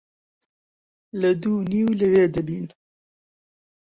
لە دوو و نیو لەوێ دەبین.